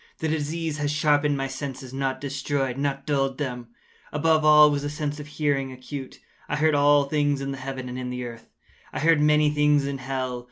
The disease had sharpened my senses—not destroyed—not dulled them. Above all was the sense of hearing acute. I heard all things in the heaven and in the earth. I heard many things in hell.